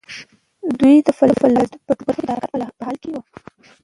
دوی د فلزاتو په ټولو برخو کې د حرکت په حال کې وي.